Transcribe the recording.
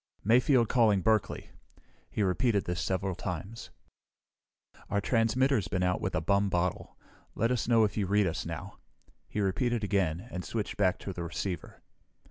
"Mayfield calling Berkeley." He repeated this several times. "Our transmitter's been out with a bum bottle. Let us know if you read us now." He repeated again and switched back to the receiver.